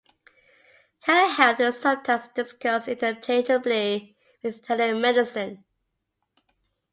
Telehealth is sometimes discussed interchangeably with telemedicine.